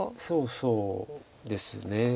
そうそうですね。